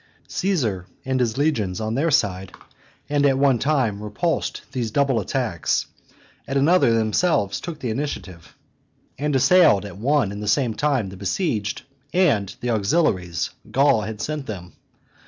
Caesar and his legions, on their side, at one time repulsed these double attacks, at another themselves took the initiative, and assailed at one and the same time the besieged and the auxiliaries Gaul had sent them.